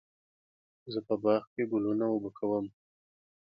زه په باغ کې ګلونه اوبه کوم.